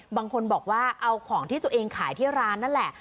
บางคนบอกว่าเอาของที่ตัวเองขายที่ร้านนั่นแหละ